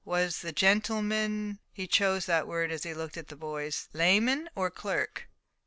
"Was the gentleman" (he chose that word as he looked at the boys) "layman or clerk?"